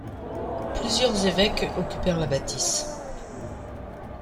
Plusieurs évêques occupèrent la bâtisse.